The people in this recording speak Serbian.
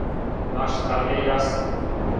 Наш став је јасан.